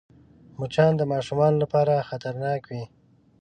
مچان د ماشومانو لپاره خطرناک وي